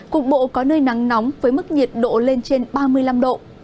cục bộ có nơi nắng nóng với mức nhiệt độ lên trên ba mươi năm độ